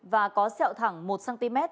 và có sẹo thẳng một cm